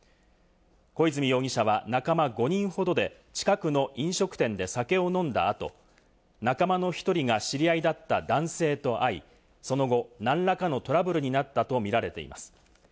小泉容疑者は仲間５人ほどで、近くの飲食店で酒を飲んだ後、仲間の１人が知り合いだった男性と会い、その後、何らかのトラブルになったとみられています。